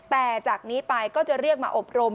แต่จากนี้ไปก็จะเรียกมาอบรม